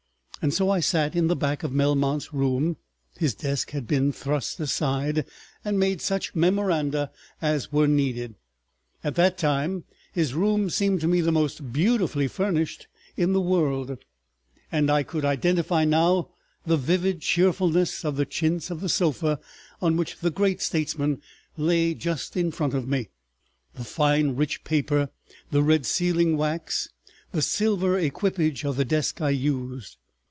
... So I sat in the back of Melmount's room, his desk had been thrust aside, and made such memoranda as were needed. At that time his room seemed to me the most beautifully furnished in the world, and I could identify now the vivid cheerfulness of the chintz of the sofa on which the great statesman lay just in front of me, the fine rich paper, the red sealing wax, the silver equipage of the desk I used.